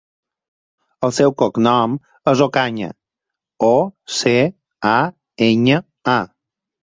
El seu cognom és Ocaña: o, ce, a, enya, a.